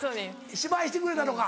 芝居してくれたのか。